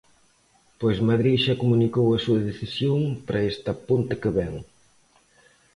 Pois Madrid xa comunicou a súa decisión para esta ponte que vén.